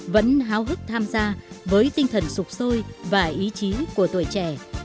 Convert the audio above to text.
vẫn háo hức tham gia với tinh thần sụp sôi và ý chí của tuổi trẻ